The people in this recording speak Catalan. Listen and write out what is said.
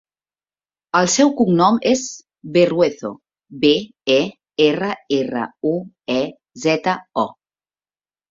El seu cognom és Berruezo: be, e, erra, erra, u, e, zeta, o.